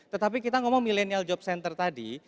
tetapi kita ngomong millennial job center tadi